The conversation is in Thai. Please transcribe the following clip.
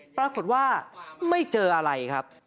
ปรากฏว่าไม่เจออะไร